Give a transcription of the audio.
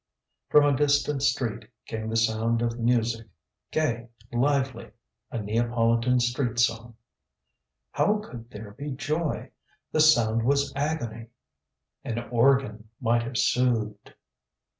FROM a distant street came the sound of music gay lively a Neapolitan street song. HOW could there be joy. The sound was agony. An organ might have soothed.